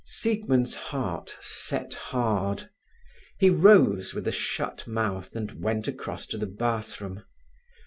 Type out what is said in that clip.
Siegmund's heart set hard. He rose, with a shut mouth, and went across to the bathroom.